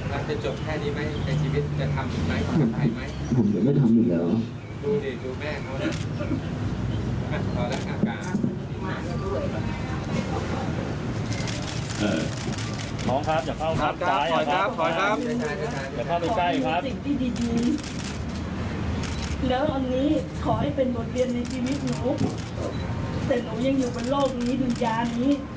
ดูใกล้ครับ